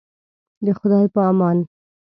د خدای په امان.